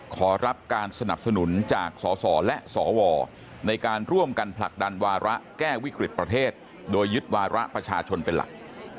ขอรับการสนับสนุนจากสสและสวในการร่วมกันผลักดันวาระแก้วิกฤติประเทศโดยยึดวาระประชาชนเป็นหลัก